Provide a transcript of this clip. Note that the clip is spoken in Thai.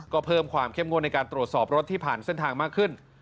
ก็เพิ่มความเข้มงวดในการตรวจสอบรถที่ผ่านเส้นทางมากขึ้น